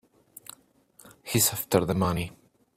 He's after the money.